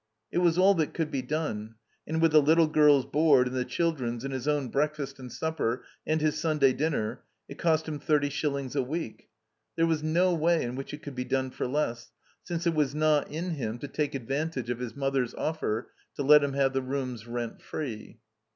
It was all that could be done; and with the little girl's board and the children's and his own break fast and supper and his Stmday dinner, it cost him thirty shillings a week. There was no way in which it could be done for less, since it was not in him to 295 THE COMBINED MAZE take advantage of his mother's offer to let him have the rooms rent free.